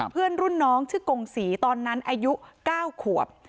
เพื่อนรุ่นน้องชื่อกงศรีตอนนั้นอายุ๙ขวบ